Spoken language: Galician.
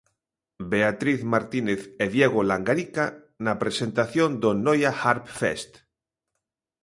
Beatriz Martínez e Diego Langarica na presentación do Noia Harp Fest.